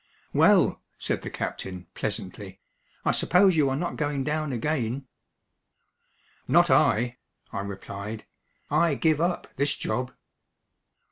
"Well," said the captain pleasantly. "I suppose you are not going down again?" "Not I," I replied. "I give up this job."